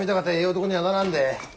男にはならんで。